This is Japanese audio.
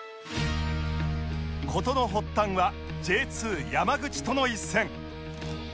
事の発端は Ｊ２ 山口との一戦